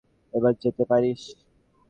এবার যেতে পারিস।